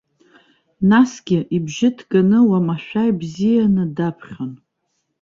Насгьы, ибжьы ҭганы, уамашәа ибзианы даԥхьон.